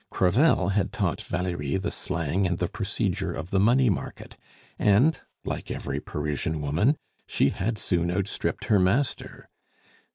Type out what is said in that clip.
Crevel had taught Valerie the slang and the procedure of the money market, and, like every Parisian woman, she had soon outstripped her master.